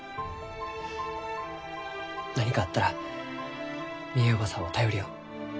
何かあったらみえ叔母さんを頼りよ。